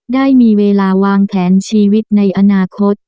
ได้มีเวลาวางแผนชีวิตในอนาคต